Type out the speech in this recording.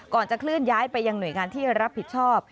ก่อนจะเคลื่อนย้ายไปยังหน่วยงานที่รับผิดชอบ